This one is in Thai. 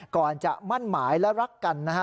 ก่อนจะมั่นหมายและรักกันนะฮะ